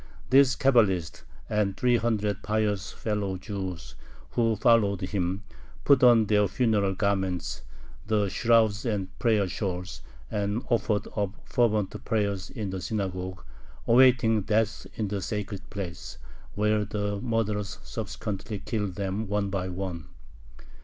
This Cabalist, and three hundred pious fellow Jews who followed him, put on their funeral garments, the shrouds and prayer shawls, and offered up fervent prayers in the synagogue, awaiting death in the sacred place, where the murderers subsequently killed them one by one.